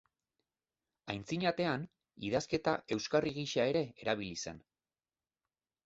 Antzinatean, idazketa euskarri gisa ere erabili zen.